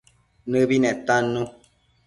Nëbi netannu